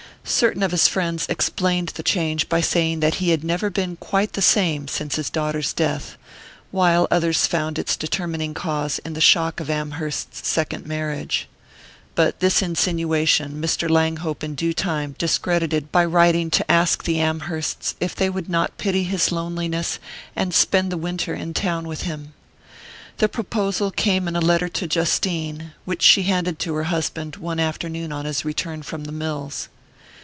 Certain of his friends explained the change by saying that he had never been "quite the same" since his daughter's death; while others found its determining cause in the shock of Amherst's second marriage. But this insinuation Mr. Langhope in due time discredited by writing to ask the Amhersts if they would not pity his loneliness and spend the winter in town with him. The proposal came in a letter to Justine, which she handed to her husband one afternoon on his return from the mills.